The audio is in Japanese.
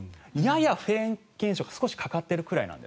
ややフェーン現象が少しかかってるくらい。